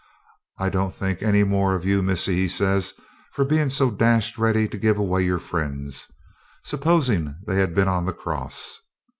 I don't think any more of you, missis,' he says, 'for being so dashed ready to give away your friends, supposing they had been on the cross.'